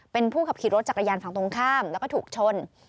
เป็นผู้ขับขี่รถจักรยานฝั่งตรงข้ามแล้วก็ถูกชน